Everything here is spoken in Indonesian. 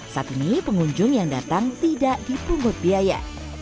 saat ini pengunjung yang datang tidak dipungut biaya